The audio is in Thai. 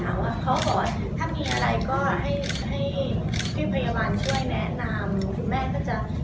คุณแม่ก็จะมีถามถามกับพี่พยาบาลว่าแบบนี้ยังได้อยู่หรือเปล่า